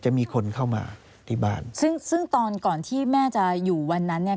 จะมีคนเข้ามาที่บ้านซึ่งซึ่งตอนก่อนที่แม่จะอยู่วันนั้นเนี่ย